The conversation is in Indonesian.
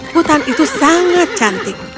hutan itu sangat cantik